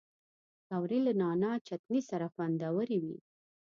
پکورې له نعناع چټني سره خوندورې وي